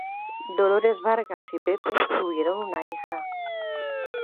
Dolores Vargas y Pepe tuvieron una hija.